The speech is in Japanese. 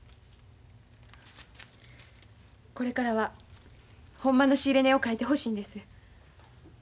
これからはほんまの仕入れ値を書いてほしいんです。